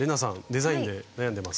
デザインで悩んでますか？